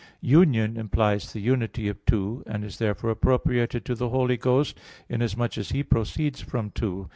"Union" implies the unity of two; and is therefore appropriated to the Holy Ghost, inasmuch as He proceeds from two.